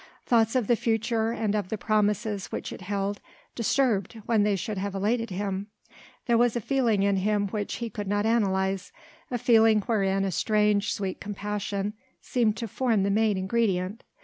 Thoughts of the future and of the promises which it held disturbed when they should have elated him: there was a feeling in him which he could not analyse, a feeling wherein a strange, sweet compassion seemed to form the main ingredient.